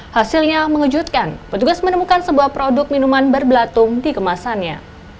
hasilnya mengejutkan petugas menemukan sebuah produk minuman berbelatung di kemasannya